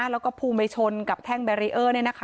แล้วก็พูมไปชนกับแท่งแบรีเออร์เนี่ยนะคะ